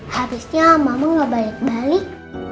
habisnya mama gak balik balik